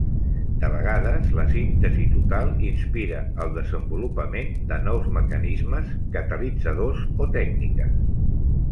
De vegades la síntesi total inspira el desenvolupament de nous mecanismes, catalitzadors o tècniques.